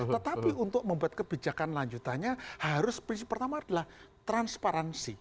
tetapi untuk membuat kebijakan lanjutannya harus prinsip pertama adalah transparansi